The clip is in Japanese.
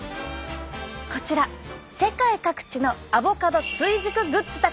こちら世界各地のアボカド追熟グッズたち。